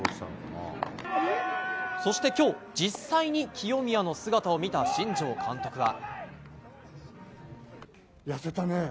そして今日、実際に清宮の姿を見た新庄監督は。